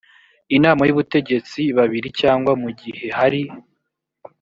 inama y ubutegetsi babiri cyangwa mu gihe hari